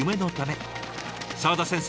沢田先生